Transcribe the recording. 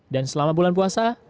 dan selama bulan puasa